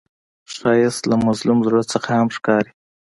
ښایست له مظلوم زړه نه هم ښکاري